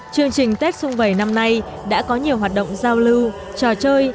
chương trình tết xung vầy năm nay đã có nhiều hoạt động giao lưu trò chơi